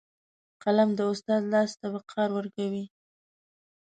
قلم د استاد لاس ته وقار ورکوي